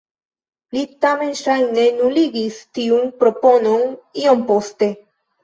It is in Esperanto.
Li tamen ŝajne nuligis tiun proponon iom poste.